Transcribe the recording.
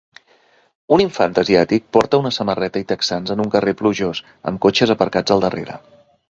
Un infant asiàtic porta una samarreta i texans en un carrer plujós amb cotxes aparcats al darrere.